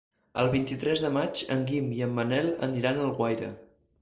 El vint-i-tres de maig en Guim i en Manel aniran a Alguaire.